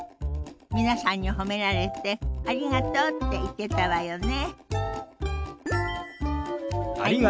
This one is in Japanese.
皆さんに褒められて「ありがとう」って言ってたわよね。